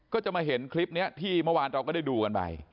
ก็จะมาเห็นคลิปนี้ที่เมื่อวานเราก็ได้ดูกันไป